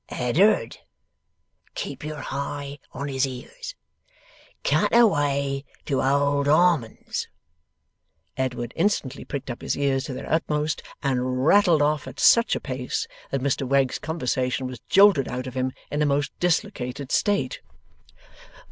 'Eddard! (keep yer hi on his ears) cut away to Old Harmon's.' Edward instantly pricked up his ears to their utmost, and rattled off at such a pace that Mr Wegg's conversation was jolted out of him in a most dislocated state.